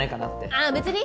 ああ別に！